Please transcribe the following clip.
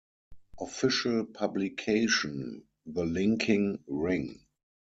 Official publication "The Linking Ring".